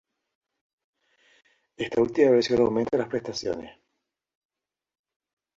Esta última versión aumenta las prestaciones.